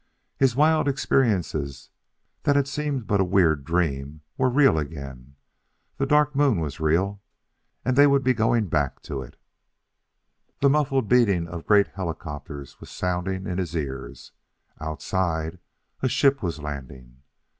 His wild experiences that had seemed but a weird dream were real again. The Dark Moon was real! And they would be going back to it! The muffled beating of great helicopters was sounding in his ears; outside, a ship was landing.